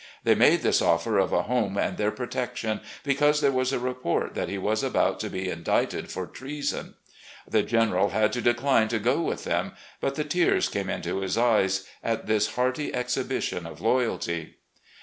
They made this offer of a home and their protection because there was a report that he was about to be indicted for treason. The General had to decline to go with them, but the tears came into his eyes at this hearty exhibition of loyalty.